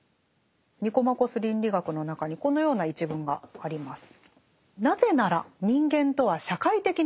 「ニコマコス倫理学」の中にこのような一文があります。